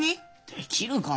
できるかな。